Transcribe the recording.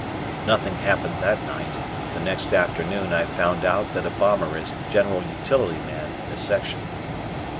Nothing happened that night, but the next afternoon I found out that a bomber is general utility man in a section.